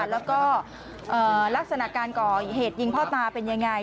แล้วก็ลักษณะการเกาะเหตุหญิงพ่อตาเป็นอย่างไร